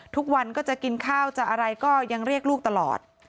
ทุกวันก็จะกินข้าวจะอะไรก็ยังเรียกลูกตลอด